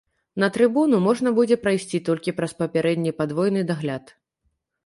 На трыбуну можна будзе прайсці толькі праз папярэдні падвойны дагляд.